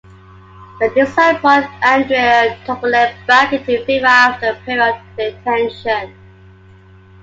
The design brought Andrei Tupolev back into favour after a period of detention.